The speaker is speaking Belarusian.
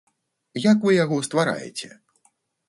Як вы яго ствараеце?